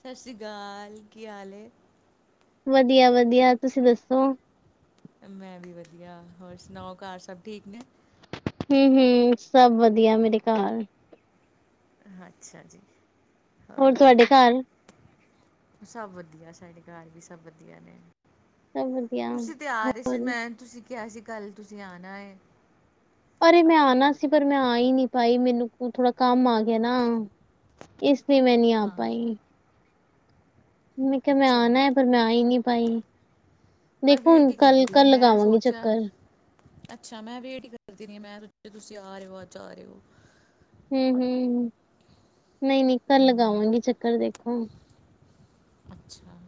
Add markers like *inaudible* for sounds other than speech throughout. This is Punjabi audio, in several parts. ਸਤਿ ਸ੍ਰੀ ਅਕਾਲ, ਕੀ ਹਾਲ ਹੈ? ਵਧੀਆ ਵਧੀਆ। ਤੁਸੀਂ ਦੱਸੋ? ਮੈਂ ਵੀ ਵਧੀਆ, ਹੋਰ ਸੁਣਾਓ ਘਰ ਸਭ ਠੀਕ ਨੇ? ਹਮ ਹਮ, ਸਭ ਵਧੀਆ ਮੇਰੇ ਘਰ। ਅੱਛਾ ਜੀ ਹੋਰ? ਤੁਹਾਡੇ ਘਰ ਸਭ ਵਧੀਆ, ਸਾਡੇ ਘਰ ਵੀ ਸਭ ਵਧੀਆ ਨੇ। ਸਭ ਵਧੀਆ ਤੁਸੀਂ ਤੇ ਆਰੇ ਸੀ, ਹੋਰ ਮੈਨੂੰ ਤੁਸੀਂ ਕਿਹਾ ਸੀ ਕੱਲ ਤੁਸੀਂ ਆਉਣਾ। ਪਰ ਮੈਂ ਆਉਣਾ ਸੀ ਪਰ ਮੈਂ ਆੲਈ ਨੀ ਪਾਈ ਮੈਨੂੰ ਥੋੜਾ ਕੰਮ ਆ ਗਿਆ ਨਾ। ਇਸ ਲਈ ਮੈਂ ਨਹੀਂ ਆ ਪਾਈ। ਮੈਂ ਕਿਹਾ ਮੈਂ ਅੱਛਾ ਆਣਾ ਹੈ ਪਰ ਮੈਂ ਆ ਹੀ ਨਹੀਂ ਪਾਈ। ਮੈਂ ਦੇਖੋ ਵੇਟ ਹੁਣ ਹੀ ਕਰਦੀ ਕੱਲ, ਰਹੀ ਕੱਲ ਮੈਂ ਲਗਾਵਾਂਗੀ ਸੋਚਿਆ ਚੱਕਰ ਅੱਛਾ ਮੈਂ ਵੇਟ ਹੀ ਕਰਦੀ ਰਹੀ, ਮੈਂ ਸੋਚਿਆ ਰੇ ਤੁਸੀਂ ਆ ਰਹੇ ਹੋ ਅੱਜ ਆ ਰਹੇ ਹੋ ਹਮ ਹਮ, ਨਹੀਂ ਨਹੀਂ ਕਲ ਹੂੰ ਲਗਾਵਾਂਗੀ ਚੱਕਰ ਦੇਖੋ- ਅੱਛਾ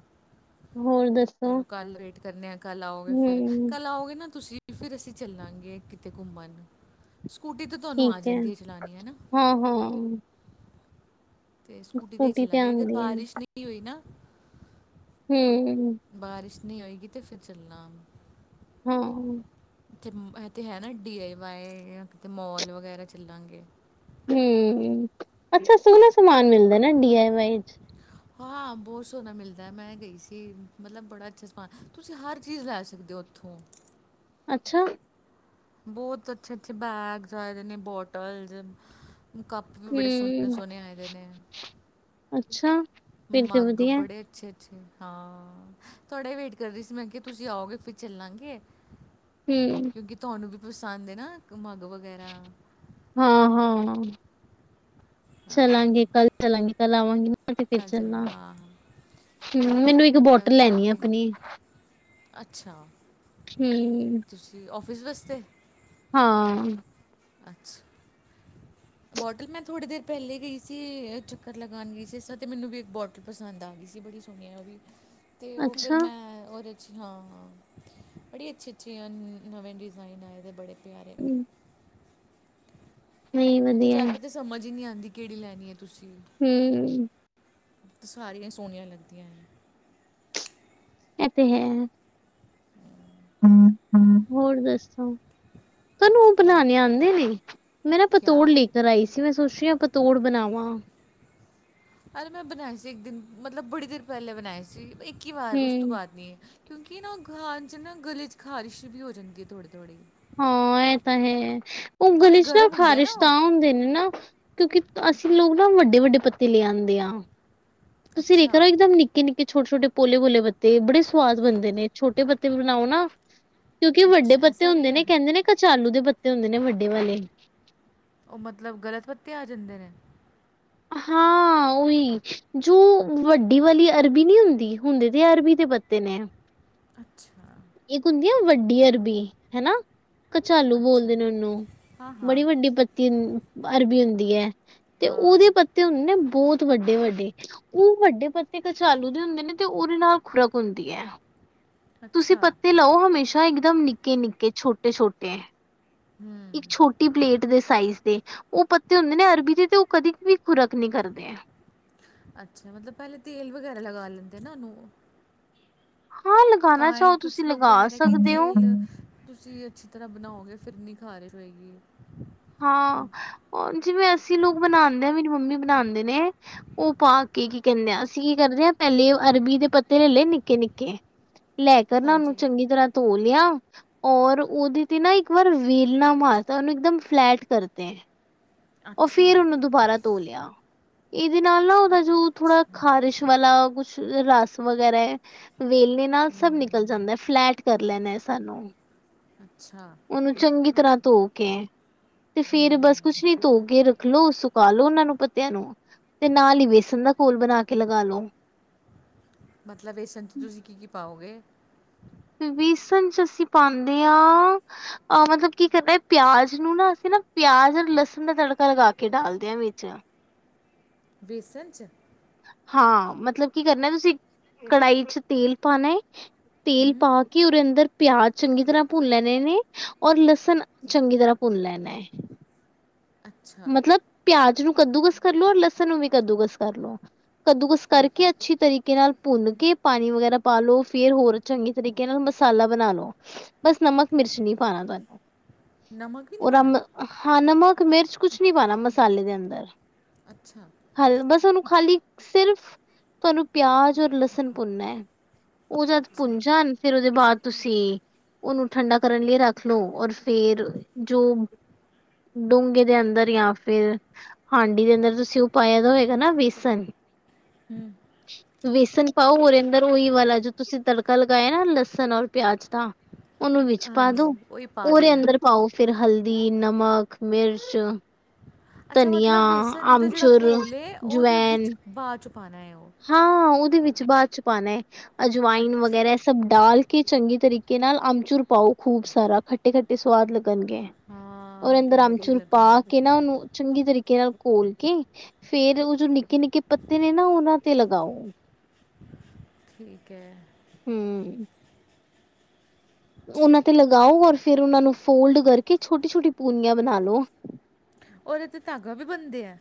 ਹੋਰ ਦੱਸੋ ਚਲੋ ਕੱਲ ਵੇਟ ਕਰਨੇ ਆ ਕੱਲ ਆਓਗੇ ਫਿਰ, ਹੂੰ ਕੱਲ ਆਓਗੇ ਨਾ ਤੁਸੀਂ ਫਿਰ ਅਸੀਂ ਚੱਲਾਂਗੇ ਕਿਤੇ ਘੁੰਮਣ, ਸਕੂਟੀ ਤਾਂ ਤੁਹਾਨੂੰ ਆ ਜਾਂਦੀ ਹੈ ਚਲਾਉਣੀ, ਹੈ ਨਾ ਹਮ ਹਮ- ਅਤੇ ਸਕੂਟੀ 'ਤੇ ਹੀ ਚੱਲਾਂਗੇ ਅਗਰ ਆਉਂਦੀ ਹੈ ਬਾਰਿਸ਼ ਨਹੀਂ ਹੋ ਨਾ ਹਮ ਬਾਰਿਸ਼ ਨਹੀਂ ਹੋਏਗੀ ਤਾਂ ਫਿਰ ਚੱਲਾਗੇਂ- ਹਾਂ ਇਹਥ ਹੈ ਨਾ ਡੀ ਆਏ ਵਏ ਜਾਂ ਕਿਤੇ ਮੋਲ ਵਗੈਰਾ ਚੱਲਾਂਗੇ ਹਮ, ਅੱਛਾ ਸੋਹਣਾ ਸਮਾਨ ਮਿਲਦਾ ਨਾ ਡੀਆਈਵਾਏ ਚ। ਹਾਂ ਬਹੁਤ ਸੋਹਣਾ ਮਿਲਦਾ ਮੈਂ ਗਈ ਸੀ, ਮਤਲਬ ਬੜਾ ਅੱਛਾ ਸਮਾਨ ਤੁਸੀਂ ਹਰ ਚੀਜ਼ ਲੈ ਸਕਦੇ ਹੋ ਉੱਥੋਂ। ਅੱਛਾ। ਬਹੁਤ ਅੱਛੇ ਅੱਛੇ ਬੈਗਸ ਆਏ ਦੇ ਨੇ ਬੋਟਲਸ ਵੀ ਬੜੇ ਸੋਹਣੇ ਹੂੰ, ਸੋਹਣੇ ਆਏ ਦੇ ਨੇ ਅੱਛਾ। ਫਿਰ ਤੇ ਮੱਗ ਵਧੀਆ, ਬੜੇ ਅੱਛੇ ਅੱਛ ਆ, ਮੈਂ ਕਿਹਾ ਤੁਹਾਡਾ ਵੇਟ ਕਰ ਰਹੀ ਸੀ ਮੈਂ ਕਿਹਾ ਤੁਸੀਂ ਆਓਗੇ ਫਿਰ ਚਲਾਂਗੇ। ਹੂੰ। ਕਿਉਂਕਿ ਤੁਹਾਨੂੰ ਵੀ ਪਸੰਦ ਹੈ ਨਾ ਮੱਗ ਵਗੈਰਾ ਹਾਂ, ਹਾਂ, ਹਾਂ, ਚੱਲਾਂਗੇ ਕੱਲ੍ਹ ਚਲਾਂਗੇ ਕੱਲ੍ਹ ਆਵਾਂਗੀ। ਕੱਲ੍ਹ ਚੱਲ ਹਾਂ, ਹਾਂ ਹੂੰ, ਮੈਨੂੰ ਇੱਕ ਕੱਲ੍ਹ ਬੋਟਲ ਚੱਲ ਲੈਣੀ ਆ ਕੇ ਆਪਣੀ। ਅੱਛਾ, ਹੂੰ, ਤੁਸੀਂ ਔਫਿਸ ਵਾਸਤੇ ਹਾਂ। ਅੱਛ ਬੋਟਲ ਮੈਂ ਥੋੜ੍ਹੀ ਦੇਰ ਪਹਿਲੇ ਗਈ ਸੀ ਚੱਕਰ ਲਗਾਉਣ ਗਈ ਸੀ ਇਸ ਤੇ ਮੈਨੂੰ ਵੀ ਇੱਕ ਬੋਟਲ ਪਸੰਦ ਆ ਗਈ ਇਸ ਸੀ ਬੜੀ ਸੋਹਣੀ ਉਹ ਵੀ। *inaudible* ਅਤੇ ਉਹ ਫਿਰ ਮੈਂ ਉਹਦੇ ਹਾਂ, ਹਾਂ, ਬੜੀ ਅੱਛੇ ਅੱਛੇ ਨਵੇਂ ਡਿਜ਼ਾਇਨ ਆਏ ਦੇ ਬੜੇ ਪਿਆਰੇ। ਨਈ ਉੱਥੇ ਵਧੀਆ, ਜਾ ਕੇ ਤੇ ਸਮਝ ਹੀ ਨਹੀਂ ਆਉਂਦੀ ਕਿਹੜੀ ਲੈਣੀ ਹੈ ਤੁਸੀਂ। ਹੂੰ। ਸਾਰੀਆਂ ਸੋਹਣੀਆਂ ਲੱਗਦੀਆਂ ਹੈ। ਇਹ ਤੇ ਹੈ। ਹੂੰ, ਹੂੰ, ਹੋਰ ਦੱਸੋ? ਤੁਹਾਨੂੰ ਉਹ ਬਹੁਤ ਬਣਾਣੇ ਵਧੀਆ ਆਉਂਦੇ ਨੇ, ਮੈਂ ਨਾ ਕਿਆ ਪਤੋੜ ਲਈ ਚੜਾਈ ਸੀ ਮੈਂ ਸੋਚੀ ਹਾਂ ਪਤੋੜ ਬਣਾਵਾਂ। ਅ ਮੈਂ ਬਣਾਈ ਸੀ ਇੱਕ ਦਿਨ ਮਤਲਬ ਬੜੀ ਦੇਰ ਪਹਿਲੇ ਬਣਾਈ ਸੀ ਇੱਕ ਹੀ ਵਾਰ ਉਸ ਤੋਂ ਹੂੰ। ਬਾਅਦ ਨਹੀਂ। ਕਿਉਂਕਿ ਨਾ ਗਾ ਚ ਨਾ ਗਲੇ ਚ ਖ਼ਾਰਿਸ਼ ਵੀ ਹੋ ਜਾਂਦੀ ਥੋੜੀ ਥੜ੍ਹੀ। ਹਾਂ ਇਹ ਤਾਂ ਹੈ ਉਹ ਥੋੜੇ ਗਲੇ ਚ ਗਰਮ ਹੁੰਦੇ ਆ ਨਾ ਖ਼ਾਰਿਸ਼ ਤਾਂ ਉਹ ਹੁੰਦੇ ਨੇ ਨਾ, ਕਿਉਂਕਿ ਅਸੀਂ ਲੋਕ ਨਾ ਵੱਡੇ ਵੱਡੇ ਪੱਤੇ ਲੈ ਆਉਂਦੇ ਹਾਂ, ਤੁਸੀਂ ਲੇਖ ਅੱਛਾ ਲੋ ਇੱਕਦਮ ਨਿੱ ਕਿਨ ਕੇ ਛਟੋ ਛੋਟੇੋ ਪੋਲੇ ਪੋਲੇ ਬ ਤੇ ਬੜੇ ਸਵਾਦ ਬਣਦੇ ਨੇ ਛੋਟੇ ਪੱਤੇ ਬਣਾਓ ਨਾ, ਕਿਉਂਕਿ ਵੱਡੇ ਅੱਛਾ ਪੱਤੇ ਐਸਾ ਵੀ ਹੁੰਦੇ ਨੇ, ਹੈ ਕਹਿੰਦੇ ਨੇ ਕਚਾਲੂ ਦੇ ਪੱਤੇ ਹੁੰਦੇ ਨੇ ਵੱਡੇ ਵਾਲੇ, ਉਹ ਮਤਲਬ ਗਲਤ ਪੱਤੇ ਆ ਜਾਂਦੇ ਨੇ। ਹਾਂ, ਉਹੀ ਜੋ ਵੱਡੀ ਵਾਲੀ ਅਰਬੀ ਨਹੀਂ ਹੁੰਦੀ ਹੁੰਦੇ ਤਾਂ ਅਰਬੀ ਦੇ ਬਣਦੇ ਨੇ। ਅੱਛਾ। ਇੱਕ ਹੁੰਦੀ ਆ ਵੱਡੀ ਅਰਬੀ ਹਨਾ, ਕਚਾਲੂ ਅੱਛਾ ਬੋਲਦੇ ਨੇ ਉਹਨੂੰ। ਹਾਂ ਹਾਂ ਬੜੀ ਵੱਡੀ ਪੱਤੀ ਅਰਬੀ ਹੁੰਦੀ ਹੈ ਤੇ ਹਾਂ ਉਹਦੇ ਪੱਤੇ ਪੱਤੇ ਹੁੰਦੇ ਨਾ ਬਹੁਤ ਵੱਡੇ ਵੱਡੇ ਉਹ ਵੱਡੇ ਪੱਤੇ ਕਚਾਲੂ ਦੇ ਹੁੰਦੇ ਨੇ ਤੇ ਉਹਦੇ ਨਾਲ ਖੁੁਰਕ ਹੁੰਦੀ ਹੈ। ਤੁਸੀਂ ਅੱਛਾ ਪੱਤੇ ਲਓ ਹਮੇਸ਼ਾ ਇੱਕ ਦਮ ਨਿੱਕੇ ਨਿੱਕੇ ਛੋਟੇ ਛੋਟੇ। ਇੱਕ ਛੋਟੀ ਪਲੇਟ ਦੇ ਸਾਈਜ਼ ਦੇ ਉਹ ਪੱਤੇ ਹੁੰਦੇ ਨੇ ਅਰਬੀ ਦੇ ਤੇ ਕਦੇ ਵੀ ਖੁਰਕ ਨੀ ਕਰਦੇ। ਅੱਛਾ ਮਤਲਬ ਪਹਿਲੇ ਤੇਲ ਵਗੈਰਾ ਲੱਗਾ ਲੈਂਦੇ ਨਾ ਉਹਨੂੰ ਹਾਂ ਲਗਾਣਾ ਤਾਂ ਹੀ ਚਾਹੋ ਕੁਝ ਤੁਸੀਂ ਲੋਕ ਲਗਾ ਕਹਿ ਰਹੇ ਕਿ ਸਕਦੇ ਹੋ ਤੇਲ ਤੁਸੀਂ ਅੱਛੀ ਤਰ੍ਹਾਂ ਬਣਾਓਗੇ ਫਿਰ ਨੀ ਖਾਰਿਸ਼ ਹੋਏਗੀ। ਹਾਂ ਹੁਣ ਉਹ ਜਿਵੇਂ ਅਸੀਂ ਲੋਕ ਬਣਾਉਂਦੇ ਹਾਂ ਮੇਰੀ ਮੰਮੀ ਬਣਾਉਂਦੇ ਨੇ। ਉਹ ਪਾ ਕੇ ਕੀ ਕਹਿੰਦੇ ਆ ਅਸੀਂ ਕੀ ਕਰਦੇ ਹਾਂ ਪਹਿਲੇ ਅਰਬੀ ਦੇ ਪੱਤੇ ਲੈ ਲਏ ਨਿੱਕੇ ਨਿੱਕੇ ਲੈ ਕੇ ਨਾ ਉਹਨੂੰ ਹਾਂਜੀ ਚੰਗੀ ਤਰ੍ਹਾਂ ਧੋ ਲਿਆ ਔਰ ਉਹਦੇ ਤੇ ਨਾ ਇੱਕ ਵਾਰ ਵੇਲਣਾ ਮਾਰਤਾ ਉਹਨੂੰ ਇੱਕਦਮ, ਫਲੈਟ ਕਰਤੇ, ਉਹ ਫੇਰ ਅੱਛਾ ਉਹਨੂੰ ਦੁਬਾਰਾ ਧੋ ਲਿਆ ਇਹਦੇ ਨਾਲ ਨਾ ਉਹਦਾ ਜੋ ਥੋੜਾ ਖ਼ਾਰਿਸ਼, ਵਾਲਾ ਕੁਛ ਰਸ ਵਗੈਰਾ ਵੇਲਨੇ, ਨਾਲ ਸਭ ਨਿਕਲ ਜਾਂਦਾ, ਫਲੈਟ ਕਰ ਲੈਨਾ ਸਾਨੂੰ ਅੱਛਾ ਉਹਨੂੰ ਚੰਗੀ ਤਰ੍ਹਾਂ ਧੋ ਕੇ ਤੇ ਫੇਰ ਬਸ ਕੁਛ ਨੀ ਧੋ ਕੇ ਰੱਖ ਲੋ ਸੁਕਾ ਲ ਲੋ ਉਹਨਾਂ ਨੂੰ ਪੱਤਿਆਂ ਨੂੰ, ਤੇ ਨਾਲ ਹੀ ਬੇਸਣ ਦਾ ਘੋਲ ਬਣਾ ਕੇ ਲਗਾ ਲੋ- ਮਤਲਬ ਵੇਸਨ 'ਚ ਤੁਸੀਂ ਕੀ ਕੀ ਪਾਓਗੇ? ਬੇਸਨ ਚ ਅਸੀਂ ਪਾਉਂਦੇ ਹਾਂ ਮਤਲਬ ਕੀ ਕਰਨਾ ਪਿਆਜ ਨੂੰ ਨਾ ਅਸੀਂ ਨਾ ਪਿਆਜ ਤੇ ਲਸਣ ਦਾ ਤੜਕਾ ਲਗਾ ਕੇ ਡਾਲਦੇ ਹਾਂ ਵਿੱਚ ਵੇਸਨ 'ਚ- ਹਾਂ ਮਤਲਬ ਕੀ ਕਰਨਾ ਤੁਸੀਂ, ਕੜਾਹੀ ਚ ਤੇਲ ਪਾਣਾ ਹੈਏ ਤੇਲ ਪਾ ਹੂੰ ਕੇ ਕਿ ਉਹਦੇ ਅੰਦਰ ਪਿਆਜ ਚੰਗੀ ਤਰ੍ਹਾਂ ਭੁੰਨ ਲੈਣੇ ਨੇ ਔਰ ਲਸਣ ਚੰਗੀ ਤਰ੍ਹਾਂ ਭੁੰਨ ਲੈਣਾ ਹੈ। ਅੱਛਾ ਮਤਲਬ ਪਿਆਜ ਨੂੰ ਕੱਦੂਕਸ ਕਰ ਲੋ ਔਰ ਲਸਣ ਨੂੰ ਵੀ ਕੱਦੂਕਸ ਕਰ ਲੋ ਕੱਦੂਕਸ ਠੀਕ ਕਰਕੇ ਹੈ ਅੱਛੀ ਤਰੀਕੇ- ਕੇ ਨਾਲ ਭੁੰਨ ਕੇ ਪਾਣੀ ਵਗੈਰਾ ਪਾ ਲੋ ਫੇਰ ਹੋਰ ਚੰਗੇ ਤਰੀਕੇ ਨਾਲ ਮਸਾਲਾ ਬਣਾ ਲੋ ਬਸ ਨਮਕ ਮਿਰਚ ਨਹੀਂੀ ਪਾਉਣਾ ਤੁਹਾਨੂੰ, ਨਮਕ ਵੀ ਨਹੀਂ ਉਹਰਮ ਪਾਣਾ ਹਾਂ ਨਮਕ ਮਿਰਚ, ਕੁਛ ਨੀ ਪਾਉਣਾ ਮਸਾਲੇ ਦੇ ਅੰਦਰ ਅੱਛਾ- ਹ ਬਸ ਤੁਹਾਨੂੰ ਖਾਲੀ, ਸਿਰਫ਼ ਤੁਹਾਨੂੰ ਪਿਆਜ ਔਰ ਲਸਣ ਭੁੰਨਨਾ ਹੈ ਉਹ ਜਦ ਅੱਛਾ ਭੁੰਨ ਜਾਣ ਫੇਿਰ ਉਹਦੇ ਬਾਅਦ ਤੁਸੀਂ ਉਹਨੂੰ ਠੰਡਾ ਕਰਨ ਲਈ ਰੱਖ ਲਓ, ਔਰ ਫੇਰ ਜੋ ਡੋਂਗੇੇ ਦੇ ਅੰਦਰ ਜਾਂ ਫੇਿਰ, ਹਾਂਡੀ ਦੇ ਅੰਦਰ ਤੁਸੀਂ ਉਹ ਪਾਇਆ ਤਾਂ ਹੋਏਗਾ ਨਾ ਬੇਸਣ, ਬੇਸਨ ਪਾਓ ਉਹਦੇ ਅੰਦਰ, ਉਓਹੀ ਵਾਲਾ ਜੋ ਤੁਸੀਂ ਤੜਕਾ ਲਗਾਇਆ ਨਾ ਲਸਣ ਔਰ ਪਿਆਜ ਦਾ ਉਹਨੂੰ ਵਿੱਚ ਪਾ ਦੋ, ਹਾਂਜੀ ਉਹੀ ਪਾ ਉਦੇ ਲੈਣਾ ਅੰਦਰ ਹੈ। ਪਾਓ। ਫਿਰ ਹਲਦੀ ਨਮਕ ਮਿਰਚ, ਅੱਛਾ ਧਨੀਆ, ਮਤਲਬ ਬੇਸਨ ਦਾ ਜਿਹੜਾ ਆਮਚੁਰ, ਘੋਲ ਹੈ ਉਹਦੇ ਜਵੈਨ ਵਿੱਚ ਬਾਦ ਚ ਪਾਉਣਾ ਹੈ ਉਹ, ਹਾਂ ਉਹਦੇ ਵਿੱਚ ਬਾਅਦ ਚ ਪਾਉਣਾ ਹੈ ਅਜਵਾਇਨ ਅੱਛਾ ਵਗੈਰਾ ਸਭ ਡਾਲ ਕਿ ਚੰਗੇ ਤਰੀਕੇ ਨਾਲ ਅਮਚੁਰ ਪਾਓ ਖੂਬ ਸਾਰਾ, ਖੱਟੇ ਖੱਟੇ ਸਵਾਦ ਲੱਗਣਗੇ। ਔਰ ਹਾਂ ਅੰਦਰ ਤੇ ਵਧੀਆ ਅਮਚੂਰ ਪਾ ਲੱਗਣਗੇ- ਕੇ ਨਾ ਉਹਨੂੰ ਚੰਗੀ ਤਰੀਕੇ ਨਾਲ ਘੋਲ ਕੇ, ਫ਼ੇਰ ਉਹ ਜੋ ਨ ਨਿੱਕੇ ਨਿੱਕੇ ਪੱਤੇ ਨੇ ਨਾ ਉਹਨਾਂ ਤੇ ਲਗਾਓ- ਠੀਕ ਹੈ ਹਮ ਉਹਨਾਂ ਤੇ ਲਗਾਓ ਔਰ ਫੇਿਰ ਉਹਨਾਂ ਨੂੰ ਫੋਲਡ ਕਰਕੇ ਛੋਟੀ ਛੋਟੀ ਪੂਨੀਆਂ ਬਣਾ ਲੋ ਉਹਦੇ ਤੇ ਧਾਗਾ ਵੀ ਬਣਦੇ ਆ-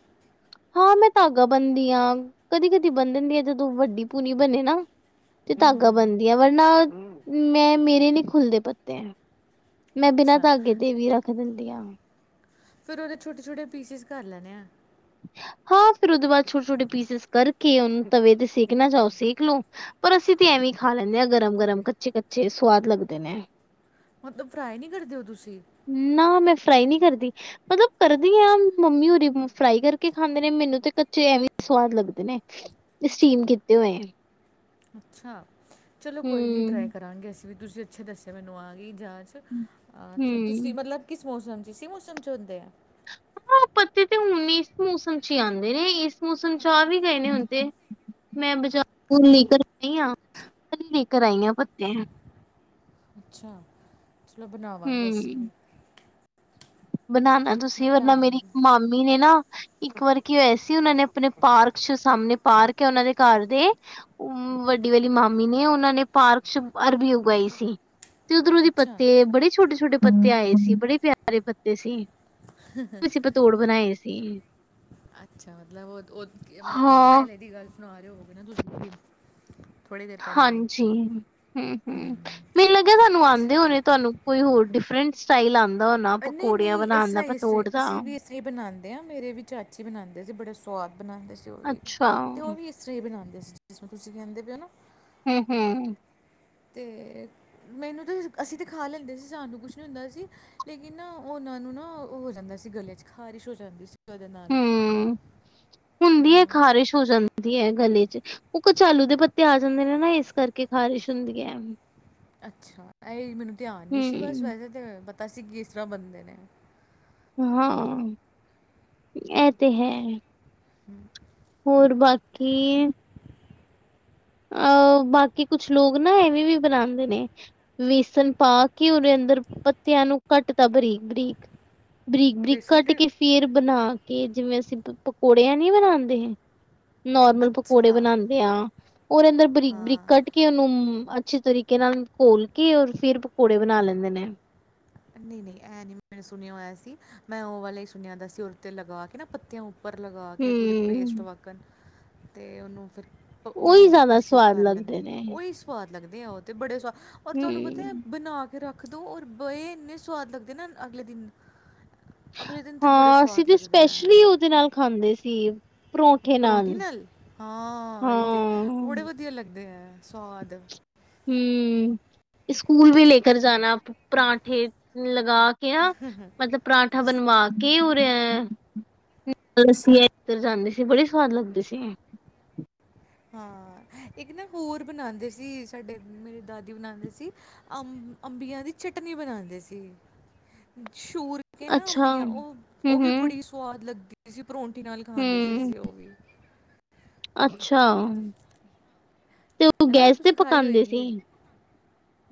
ਹਾਂ ਮੈਂ ਧਾਗਾ ਬਣਦੀ ਹਾਂ ਕਦੀ ਕਦੀ ਬੰਨਣਦੀ ਆ ਜਦੋਂ ਵੱਡੀ ਪੂਨੀ ਬਣੇ ਨਾ ਤੇ ਧਾਗਾ ਬਣਦੀ ਹੈ ਵਰਨਾ, ਮੈਂ ਮੇਰੇ ਨੀ ਖੁੱਲਦੇ ਪੱਤੇ- ਮੈਂ ਬਿਨਾਂ ਅੱਛਾ ਧ ਅਗੇ ਦੇ ਵੀ ਰੱਖ ਦਿੰਦੀ ਹ- ਫਿਰ ਉਹਦੇ ਛੋਟੇ ਛੋਟੇ ਪੀਸਿਸ ਕਰ ਲੈਣੇ ਆਾਂ- ਹਾਂ ਫਿਰ ਉਹਦੇ ਬਾਅਦ ਛੋਟੇ ਛੋਟੇ ਪੀਸਿਸ ਕਰਕੇ ਉਹਨੂੰ ਤਵੇ ਤੇ ਸੇਕਣਾ ਚਓ ਸੇਕ ਲਓ ਪਰ ਅਸੀਂ ਤੇ ਐਵੇਂ ਹੀ ਖਾ ਲੈਂਦੇ ਹਾਂ ਗਰਮ ਗਰਮ ਕੱਚੇ ਕੱਚੇ ਸਵਾਦ ਲੱਗਦੇ ਨੇ, ਮਤਲਬ ਫਰਾਈ ਨਹੀਂੀ ਕਰਦੇਓ ਤੁਸੀਂ- ਨਾ ਮੈਂ ਫਰਾਈ ਨਹੀਂੀ ਕਰਦੀ, ਮਤਲਬ ਕਰਦੀ ਹ ਮੰਮੀ ਉਰੀ ਫਰਾਈ ਕਰਕੇ ਖਾਂਦੇ ਨੇ ਮੈਨੂੰ ਤੇ ਕੱਚੇ ਐਵੇਂ ਸਵਾਦ ਲੱਗਦੇ ਨੇ, ਤੇ ਸਟੀਮ ਕੀਤੇ ਹੋਏ ਅੱਛਾ, ਚਲੋ ਕੋਈ ਨਹੀਂ ਟਰਾਈ ਹੂੰ ਕਰਾਂਗੇ ਅਸੀਂ ਵੀ ਤੁਸੀਂ ਅੱਛੇ ਦੱਸਿਆ ਮੈਨੂੰ ਆ ਗਈ ਜਾਂਚ ਤੁਸੀਂ ਹੂੰ। ਮਤਲਬ ਕਿਸ ਮੌਸਮ 'ਚ ਇਸੇ ਮੌਸਮ 'ਚ ਹੁੰਦੇ ਆ ਹਮ ਪੱਤੇ ਤੇ ਹੁਣ ਨ ਇਸ ਮੌਸਮ ਚ ਹੀ ਆਉਂਦੇ ਨੇ ਇਸ ਮੌਸਮ ਚ ਆ ਵੀ ਗਏ ਨੇ ਹੁਣ ਤੇ ਮੈਂ ਬਾਜਾਰ ਗਈ ਹੁਣੇ ਲੇਕਰ ਆਈ ਪੱਤੇ ਅੱਛਾ, ਚਲੋ ਬਣਾਵਾਂਗੇ ਅਸੀਂ ਵੀ ਬਣਾਉਣਾ ਤੁਸੀਂ, ਵਰਨਾ ਮੇਰੀ ਬਣਾਵਾਂਗੇ ਇੱਕ ਮਾਮੀ ਨੇ ਨਾ ਇੱਕ ਵਾਰ ਕੀ ਹੋਇਆ ਸੀ ਉਹ ਨੇ ਆਪਣੇ ਪਾਰਕ ਚ ਸਾਹਮਣੇ ਪਾਰਕ ਹੇ ਉਹਨਾਂ ਦੇ ਘਰ ਦੇ ਵੱਡੀ ਵਾਲੀ ਮਾਮੀ ਨੇ ਉਹਨਾਂ ਨੇ ਪਾਰਕ ਚ ਅਰਬੀ ਉਗਾਈ ਸੀ। ਤੇ ਉਧਰੋਂ ਦੀ ਅੱਛਾ ਪੱਤੇ ਬੜੇ ਛੋਟੇ-ਛੋਟੇ ਪੱਤੇ ਆਏ ਸੀ ਬੜੇ ਪਿਆਰੇ ਪੱਤੇ ਸੀ। ਤੁਸੀਂ ਪਤੋੜ ਬਣਾਏ ਸੀ। ਅੱਛਾ ਮਤਲਬ ਉਹ ਮਤਲਬ ਹਾਂ ਪਹਿਲੇ ਦੀ ਗੱਲ ਸੁਣਾ ਰਹੇ ਹੋਗੇ ਨਾ *inaudible* ਥੋੜੀ ਦੇਰ ਪਹਿਲੇ ਦੀ ਹਾਂਜੀ ਹੁ-ਹੁ। ਹੂੰ ਮੈਨੂੰ ਲੱਗਿਆ ਤੁਹਾਨੂੰ ਆਂਦੇ ਅੱਛਾ ਹੋਣੇ ਤੁਹਾਨੂੰ ਕੋਈ ਹੋਰ ਡਿਫਰੈਂਸ ਸਟਾਈਲ ਆਦਾ ਹੋਦਾ ਪਕੌੜੀਆਂ ਬਣਾਉਣ ਦਾ ਪਤੋੜ ਦਾ। ਇਹ ਬਣਾਉਂਦੇ ਆ ਮੇਰੇ ਵੀ ਚਾਚੀ ਬਣਾਉਂਦੇ ਸੀ ਬੜਾ ਸਵਾਦ ਬਣਾਉਂਦੇ ਸੀ ਉਹ ਵੀ ਅੱਛਾ, ਤੇ ਉਹ ਹੂੰ-ਹੂੰ, ਵੀ ਅਸੀਂ ਵੀ ਬਣਾਉਦੇ ਸੀ ਜਿਸਰਾ ਤੁਸੀ ਕਹਿੰਦੇ ਪਏ ਹੋ ਨਾ। ਹ-ਹ ਅਤੇ ਮੈਨੂੰ ਤਾ ਅਸੀ ਤਾ ਖਾ ਲੈਂਦੇ ਸੀ ਸਾਨੂੰ ਕੁਛ ਨੀ ਹੁੰਦਾ ਸੀ। ਲੇਕਿਨ ਨਾ ਉਹਨਾਂ ਨੂੰ ਨਾ ਹੋ ਜਾਂਦਾ ਸੀ ਗੱਲੇ ਚ ਖ਼ਾਰਿਸ਼ ਹੋ ਜਾਂਦੀ ਸੀ। ਉਹਦੇ ਨਾਲ ਹੁ ਹੁੰਦੀ ਹੈ ਖ਼ਾਰਿਸ਼ ਹੋ ਜਾਂਦੀ ਹੈ ਗਲੇ ਚ। ਉਹ ਕਚਾਲੂ ਦੇ ਪੱਤੇ ਆ ਜਾਂਦੇ ਨੇ ਨਾ ਇਸ ਕਰਕੇ ਖ਼ਾਰਿਸ਼ ਹੁੰਦੀ ਹੈ। ਅੱਛਾ ਇਹਹੀ ਮੈਨੂੰ ਧਿਆਨ ਨਹੀਂ ਸੀ ਬਸ ਹੂੰ, ਵੈਸੇ ਤਾਂ ਪਤਾ ਸੀ ਕਿਸ ਤਰ੍ਹਾ ਬਣਦੇ ਨੇ। ਹਾਂ ਇਹ ਤੇ ਹੈ। ਹੁ ਹੋਰ ਬਾਕੀ ਅਹ ਬਾਕੀ ਕੁਛ ਲੋਕ ਨਾ ਐਵੇਂ ਵੀ ਬਣਾਉਂਦੇ ਨੇ ਵੇਸਣ ਪਾ ਕੇ ਉਹਦੇ ਅੰਦਰ ਪੱਤਿਆਂ ਨੂੰ ਕੱਟ ਤਾ ਬਰੀਕ-ਬਰੀਕ। ਬਰੀਕ-ਬਰੀਕ ਬੇਸਨ ਕੱਟ ਦੇ ਕੇ ਫੇਰ ਬਣਾ ਕੇ ਜਿਵੇਂ ਅਸੀਂ ਪਕੌੜੇਿਆਂ ਨੀ ਬਣਾਦੇ। ਨੋਰਮਲ ਪਕੌੜੇ ਅੱਛਾ ਬਣਾਦੇ ਆ ਉਹਦੇ ਅੰਦਰ ਬਰੀਕ-ਬਰੀਕ ਹਾਂ ਕੱਟ ਕੇ ਨੂੰ ਅੱਛੇ ਤਰੀਕੇ ਨਾਲ ਘੋਲ ਕੇ ਔਰ ਫੇਰ ਪਕੌੜੇ ਬਣਾ ਲੈਂਦੇ ਨੇ। ਨਹੀਂ-ਨਹੀਂ ਇਹ ਨੀ ਮੈ ਸੁਣਿਆ ਹੋਇਆ ਸੀ ਮੈਂ ਉਹ ਵਾਲਾ ਹੀ ਸੁਣਿਆ ਦਾ ਸੀ ਉਹਤੇ ਲਗਾ ਕੇ ਨਾ ਪੱਤਿਆਂ ਉ ਪਰ ਲਗਾ ਕੇ ਪੂਰੀ ਪੇਸਟ ਹਮ ਵਕਨ ਤੇ ਉਹਨੂੰ ਫੇਰ ਉਹੀ ਉਹ ਜ਼ਿਆਦਾ ਪੀਸਿਸ ਸਵਾਦ ਕਰ ਲੱਗਦੇ ਲੈਂਦੇ ਆ ਨੇ ਉਹੀ ਸਵਾਦ ਲੱਗਦੇ ਆ ਉਹ ਤੇ ਬੜੇ ਸਵਾਦ ਔਰ ਤੁਹਾਨੂੰ ਪਤਾ ਹੈ ਹਮ ਬਣਾ ਕੇ ਰੱਖ ਦੋ ਔਰ ਬਏ ਇੰਨੇ ਸਵਾਦ ਲਗਦੇ ਨਾ ਅਗਲੇ ਦਿਨ, ਅਗਲੇ ਦਿਨ ਤਾਂ ਬੜੇ ਹਾਂ ਅਸੀਂ ਸਆਦ ਤੇ ਲਗਦੇ ਹੈ। *unintelligible* ਨਾਲ ਖਾਂਦੇ ਸੀ। ਪਰੌਠੀ ਨਾਲ ਹਾਂ ਇਹ ਤੇ ਬੜੇ ਵਧੀਆ ਲੱਗਦੇ ਆ ਸਵਾਦ। ਹਮ ਸਕਕੂਲ ਵੀ ਲੈ ਕਰ ਜਾਨਾ ਆਪ ਪਰਾਂਠੇ ਲਗਾ ਕੇ ਨਾ ਮਤਲਬ ਪਰਾਂਠਾ ਬਣਵਾ ਕੀ ਉਰ *inaudible* ਜਾਂਦੀ ਸੀ ਬੜੀ ਸਵਾਦ ਲੱਗਦੀ ਸੀ। ਹਾਂ ਇੱਕ ਨਾ ਹੋਰ ਬਣਾਉਂਦੇ ਸੀ ਸਾਡੇ ਮੇਰੀ ਦਾਦੀ ਬਣਾਉਂਦੇ ਸੀ। ਅੰਬ ਅੰਬੀਆਂ ਦੀ ਚਟਨੀ ਬਣਾਦੇ ਸੀ ਸ਼ੂਰ ਕੇ ਨਾ ਅੱਛਾ ਅੰਬੀਆਂ ਹਮ ਉਹ ਉਹ ਵੀ ਹਮ ਬੜੀ ਸਵਾਦ ਲੱਗਦੀ ਸੀ ਪਰੋਂਠੀ ਨਾਲ ਖਾਂਦੇ ਸੀ ਹਮ ਅਸੀ ਉਹ ਵੀ। ਅੱਛਾ ਤੇ ਉਹ ਹਨਾ ਗੈਸ ਤੇ ਪਕਾਉਂਦੇ ਸੀ।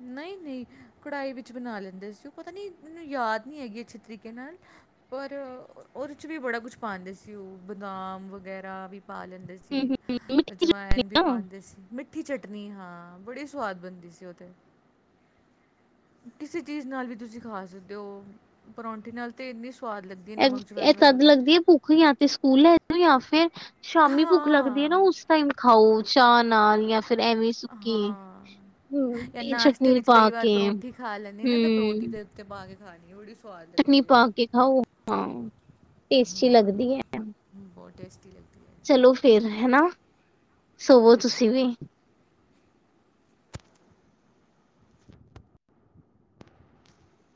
ਨਹੀਂ-ਨਹੀਂ ਕੜਾਹੀ ਵਿੱਚ ਬਣਾ ਲੈਂਦੇ ਸੀ ਉਹ ਪਤਾ ਨਹੀਂ ਮੈਨੂੰ ਯਾਦ ਨਹੀਂ ਹੈਗੀ ਅੱਛੇ ਤਰੀਕੇ ਨਾਲ। ਪਰ ਉਹਦੇ ਚ ਵੀ ਬੜਾ ਕੁਛ ਪਾਦੇ ਸੀ ਉਹ ਬਦਾਮ ਵਗੈਰਾ ਵੀ ਪਾ ਲੈਂਦੇ ਸੀ ਹੂੰ-ਹੂੰ ਅਜਵਾਇਨ ਵੀ ਮਿੱਠੀਆਂ ਪਾਦੇ ਸੀ। ਠੀ ਚਟਨੀ ਹਾਂ ਬੜੀ ਸਵਾਦ ਬਣਦੀ ਸੀ ਉਹ ਤੇ। ਕਿਸੇ ਚੀਜ਼ ਨਾਲ ਵੀ ਤੁਸੀ ਖਾ ਸਕਦੇ ਹੋ ਪਰੌਂਠੇ ਨਾਲ ਤਾਂ ਇੰਨੀ ਸਵਾਦ ਲੱਗ ਇਹ ਤਦ ਲੱਗਦੀ ਹੈ ਭੁੱਖ ਯਾ ਤੇ ਸਕੂਲ ਲੈ ਜਾਓ ਯਾ ਫੇਰ ਸ਼ਾਮੀ ਭੁੱਖ ਲੱਗਦੀ ਹੈ ਹਾਂ ਨਾ ਉਸ ਟਾਈਮ ਖਾਓ ਚਾ ਨਾਲ ਯਾ ਫਿਰ ਐਵੇਂ ਸੁੱਕੀ। ਹੂੰ ਯਾ ਇਹ ਨਾਸ਼ਤੇ ਚਟਨੀ ਵਿੱਚ ਪਾ ਕਈ ਵਾਰ ਕੇ ਪਰੌਂਠੀ ਖਾ ਲੈਂਣੀ ਨਾ ਤੇ ਪਰੌਠੀ ਦੇ ਉੱਤੇ ਪਾ ਕੇ ਖਾਣੀ ਬੜੀ ਸ ਟਨੀ ਪਾ ਕੇ ਖਾਓ ਹਾਂ ਟੇਸਟੀ ਲੱਗਦੀ ਹੈ। ਬਹੁਤ ਟੇਸਟੀ ਲਗਦੀ ਹੈ। ਚਲੋ ਫੇਰ ਹਨਾ ਸੋਵੋ ਤੁਸੀਂ ਵੀ। *inaudible*